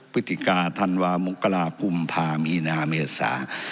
พฤติกาธันวามงกรากุมภามีนาเมษา